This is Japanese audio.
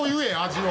味を！